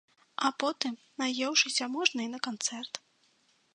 А потым, наеўшыся, можна і на канцэрт.